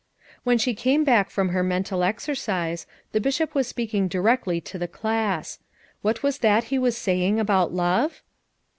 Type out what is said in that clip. When she came back from her mental exer cise, the Bishop was speaking directly to the class. What was that he was saying about love?